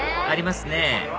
ありますね